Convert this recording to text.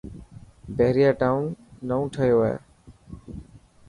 بهريا ٽائون نئون ٺهيو هي.